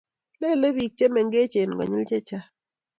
lelee biik chemengech konyil chechang